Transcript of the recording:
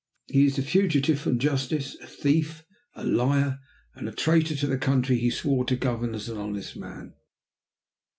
He is a fugitive from justice, a thief, a liar, and a traitor to the country he swore to govern as an honest man.